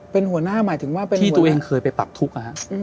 เป็นหัวหน้าหมายถึงว่าเป็นที่ตัวเองเคยไปปรับทุกข์